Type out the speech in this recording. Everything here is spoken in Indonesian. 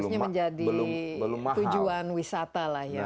harusnya menjadi tujuan wisata lah ya